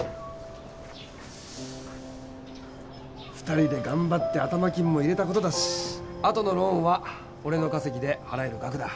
２人で頑張って頭金も入れたことだし後のローンは俺の稼ぎで払える額だ。